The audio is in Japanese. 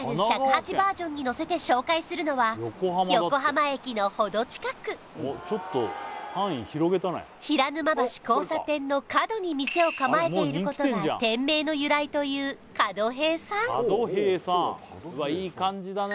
尺八バージョンにのせて紹介するのは横浜駅の程近く平沼橋交差点の角に店を構えていることが店名の由来という角平さん